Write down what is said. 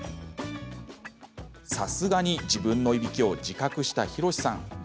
さすがに、自分のいびきを自覚したヒロシさん。